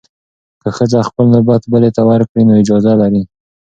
که ښځه خپل نوبت بلې ته ورکړي، نو اجازه لري.